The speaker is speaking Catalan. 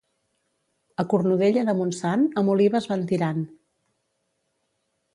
A Cornudella de Montsant, amb olives van tirant.